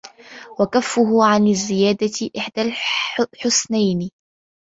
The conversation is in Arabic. وَكَفُّهُ عَنْ الزِّيَادَةِ إحْدَى الْحُسْنَيَيْنِ